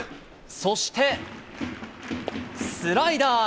そしてスライダー。